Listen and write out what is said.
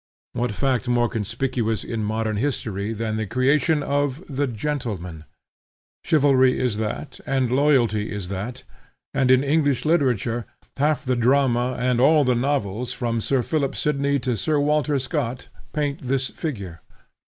What fact more conspicuous in modern history than the creation of the gentleman? Chivalry is that, and loyalty is that, and, in English literature, half the drama, and all the novels, from Sir Philip Sidney to Sir Walter Scott, paint this figure.